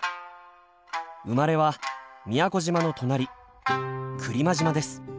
生まれは宮古島の隣来間島です。